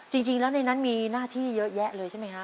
จริงแล้วในนั้นมีหน้าที่เยอะแยะเลยใช่ไหมคะ